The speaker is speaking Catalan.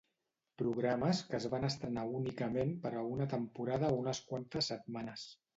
Programes que es van estrenar únicament per a una temporada o unes quantes setmanes.